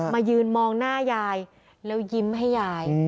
มายืนมองหน้ายายแล้วยิ้มให้ยาย